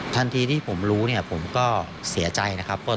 ทันทีที่ผมรู้เนี่ยผมก็เสียใจนะครับ